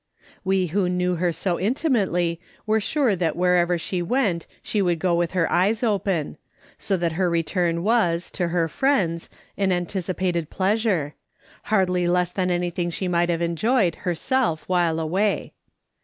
We who knew her so intimately were sure that wherever she went, she would go with her eyes open ; so that her return was, to her friends, an anticipated pleasure ; hardly less than anything she might have enjoyed herself while away.